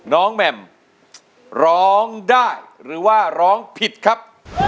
แหม่มร้องได้หรือว่าร้องผิดครับ